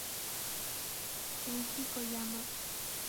Kenji Koyama